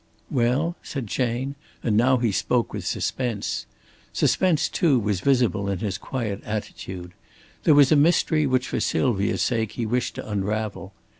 "Well?" said Chayne, and now he spoke with suspense. Suspense, too, was visible in his quiet attitude. There was a mystery which for Sylvia's sake he wished to unravel.